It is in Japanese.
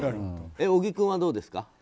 小木君はどうですか？